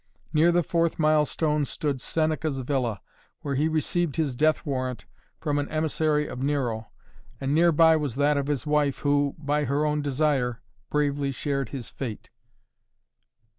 Near the fourth milestone stood Seneca's villa, where he received his death warrant from an emissary of Nero, and nearby was that of his wife who, by her own desire, bravely shared his fate.